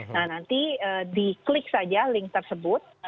dan nanti di klik saja link tersebut